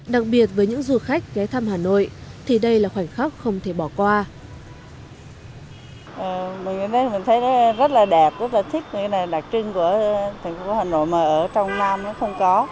đặc biệt với những du khách ghé thăm hà nội thì đây là khoảnh khắc không khó